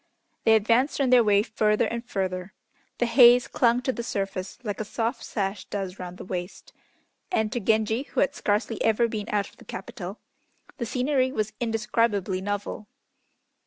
They advanced on their way further and further. The haze clung to the surface like a soft sash does round the waist, and to Genji, who had scarcely ever been out of the capital, the scenery was indescribably novel.